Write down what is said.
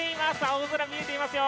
青空が見えていますよ。